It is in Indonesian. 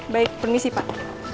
baik permisi pak